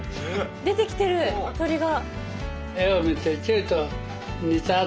出てきてる鳥が。